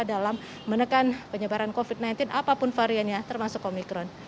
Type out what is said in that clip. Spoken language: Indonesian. dalam menekan penyebaran covid sembilan belas apapun variannya termasuk omikron